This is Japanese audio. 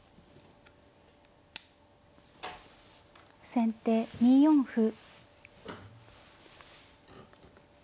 先手２四歩。